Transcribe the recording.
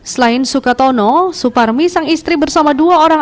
selain sukatono suparmi sang istri bersama dua orang